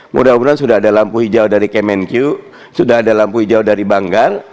mudah mudahan sudah ada lampu hijau dari kemenq sudah ada lampu hijau dari banggar